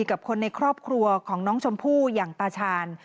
กับคนในครอบครัวของน้องชมพู่อย่างตาชาญ